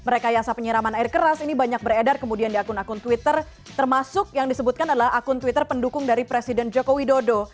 merekayasa penyiraman air keras ini banyak beredar kemudian di akun akun twitter termasuk yang disebutkan adalah akun twitter pendukung dari presiden joko widodo